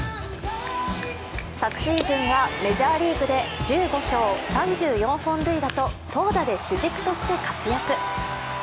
昨シーズンはメジャーリーグで１５勝３４本塁打と投打で主軸として活躍。